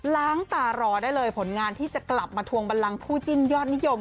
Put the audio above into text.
ล้างตารอได้เลยผลงานที่จะกลับมาทวงบันลังคู่จิ้นยอดนิยม